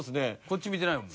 こっち見てないもん。